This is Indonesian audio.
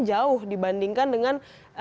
jauh dibandingkan dengan